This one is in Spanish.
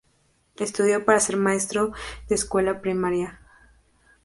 Estudió para ser maestro de escuela primaria.